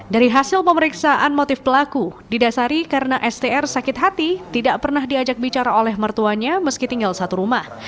dari hasil pemeriksaan motif pelaku didasari karena str sakit hati tidak pernah diajak bicara oleh mertuanya meski tinggal satu rumah